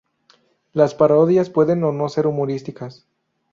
Las parodias pueden o no ser humorísticas.